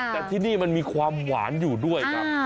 แต่ที่นี่มันมีความหวานอยู่ด้วยครับ